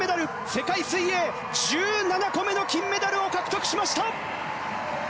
世界水泳１７個目の金メダルを獲得しました！